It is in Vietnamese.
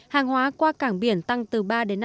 hàng hóa qua cảng biển tăng từ ba năm